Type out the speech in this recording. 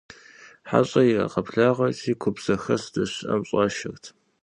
ХьэщӀэр ирагъэблагъэрти, гуп зэхэс здэщыӀэм щӀашэрт.